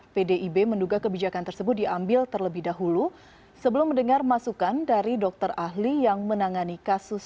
pdib menduga kebijakan tersebut diambil terlebih dahulu sebelum mendengar masukan dari dokter ahli yang menangani kasus